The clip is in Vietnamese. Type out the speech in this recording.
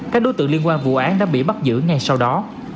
các đối tượng liên quan vụ án đã bị bắt giữ ngay sau đó